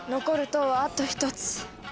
残る塔はあと１つ。